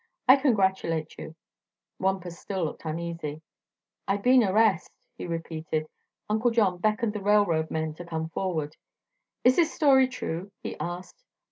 "I congratulate you," Wampus still looked uneasy. "I been arrest," he repeated. Uncle John beckoned the railroad men to come forward. "Is this story true?" he asked.